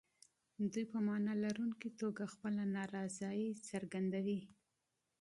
دوی په معنا لرونکي توګه خپله نارضايي څرګندوي.